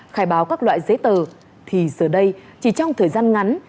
khai báo các loại giấy tờ thì giờ đây chỉ trong thời gian ngắn